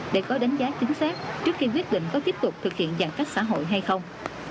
để có đánh giá chính xác trước khi quyết định có tiếp tục thực hiện giãn cách xã hội hay không